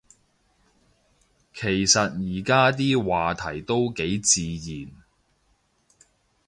其實而家啲話題都幾自然